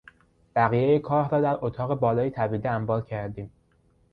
بقیهی کاه را در اطاق بالای طویله انبار کردیم.